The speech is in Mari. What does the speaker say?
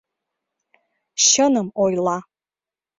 — Чыным ойла...